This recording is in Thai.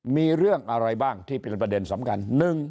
มีเรื่องอะไรบ้างที่เป็นประเด็นสำคัญ